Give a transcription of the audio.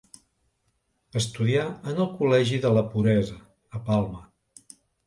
Estudià en el Col·legi de la Puresa, a Palma.